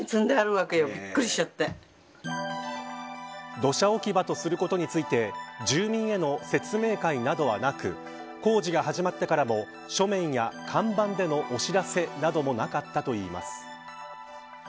土砂置き場とすることについて住民への説明会などはなく工事が始まってからも書面や看板でのお知らせなどもなかったといいます。